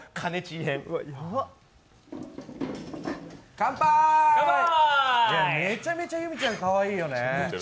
いや、めちゃめちゃユミちゃんかわいいよね。